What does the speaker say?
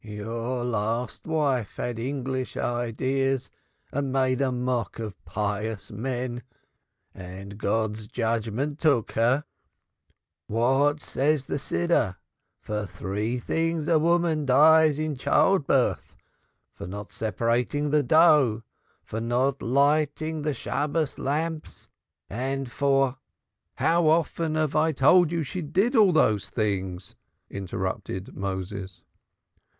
Your last wife had English ideas and made mock of pious men and God's judgment took her. What says the Prayer book? For three things a woman dies in childbirth, for not separating the dough, for not lighting the Sabbath lamps and for not " "How often have I told thee she did do all these things!" interrupted Moses.